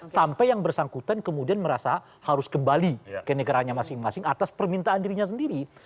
sampai yang bersangkutan kemudian merasa harus kembali ke negaranya masing masing atas permintaan dirinya sendiri